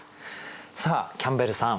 さあキャンベルさん。